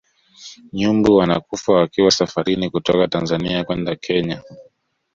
nyumbu wanakufa wakiwa safarini kutoka tanzania kwenda kenya